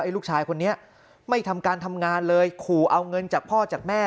ลูกชายคนนี้ไม่ทำการทำงานเลยขู่เอาเงินจากพ่อจากแม่